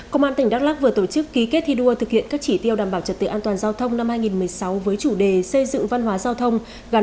công an tỉnh đắk lắc vừa tổ chức ký kết thi đua thực hiện các chỉ tiêu đảm bảo trật tự an toàn giao thông năm hai nghìn một mươi sáu với chủ đề xây dựng văn hóa giao thông